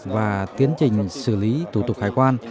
và tiến trình xử lý thủ tục khải quan